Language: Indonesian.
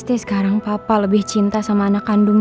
orang contoh merupakan bapak